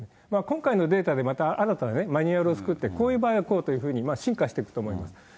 今回のデータでまた新たなマニュアルを作って、こういう場合はこうというふうに進化していくと思います。